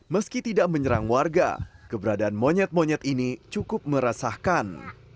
meski tidak menyerang warga keberadaan monyet monyet ini cukup meresahkan